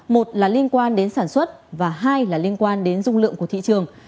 một là liên quan đến sản xuất và hai là liên quan đến dung lượng của thị trường